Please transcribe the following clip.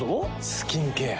スキンケア。